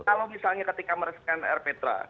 kalau misalnya ketika meresmikan rptra